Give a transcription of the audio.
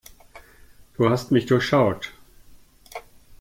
Du hast mich durchschaut.